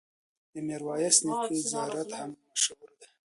د میرویس نیکه زیارت هم مشهور دی.